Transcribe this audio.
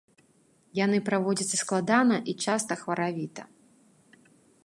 Яны праводзяцца складана і часта хваравіта.